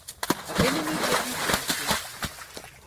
A vynnyn ni dybri pasti?